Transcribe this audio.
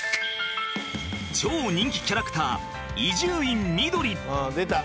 超人気キャラクター「ああ出た！